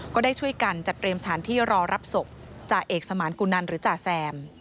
ก็ได้ช่วยกันจัดเตรียมสถานที่รอรับศพจ่าเอกสมานกุนันหรือจ่าแซม